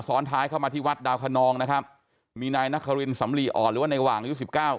ท้ายเข้ามาที่วัดดาวคนนองนะครับมีนายนครินสำลีอ่อนหรือว่าในหว่างอายุสิบเก้า